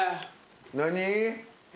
何？